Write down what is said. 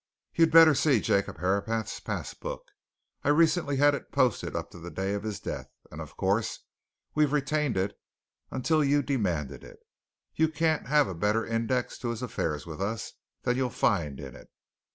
"You'd better see Jacob Herapath's pass book. I recently had it posted up to the day of his death, and of course we've retained it until you demanded it. You can't have a better index to his affairs with us than you'll find in it.